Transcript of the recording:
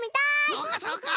そうかそうか！